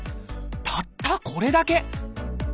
たったこれだけ！